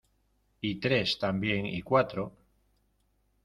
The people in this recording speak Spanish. y tres también, y cuatro...